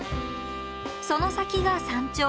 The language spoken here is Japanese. その先が山頂